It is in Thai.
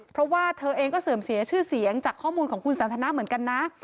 เพราะว่าเธอเองก็เสื่อมเสียชื่อเสียงจากข้อมูลของคุณสันทนาเหมือนกันนะ